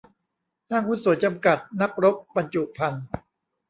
ห้างหุ้นส่วนจำกัด นักรบบรรจุภัณฑ์